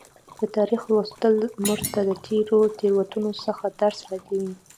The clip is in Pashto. د تاریخ لوستل موږ ته د تیرو تیروتنو څخه درس راکوي.